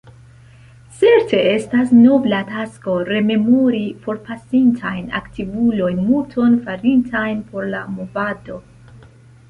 Certe, estas nobla tasko rememori forpasintajn aktivulojn, multon farintajn por la movado.